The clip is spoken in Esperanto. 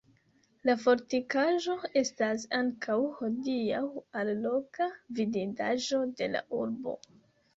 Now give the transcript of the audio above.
La fortikaĵo estas ankaŭ hodiaŭ alloga vidindaĵo de la urbo.